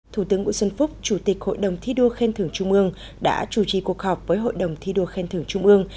thủ tướng nguyễn xuân phúc chủ tịch hội đồng thi đua khen thưởng trung ương đã chủ trì cuộc họp với hội đồng thi đua khen thưởng trung ương